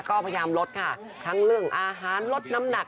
ก็พยายามลดค่ะทั้งเรื่องอาหารลดน้ำหนัก